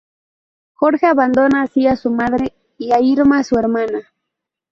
Jorge abandona así a su madre y a Irma, su hermana.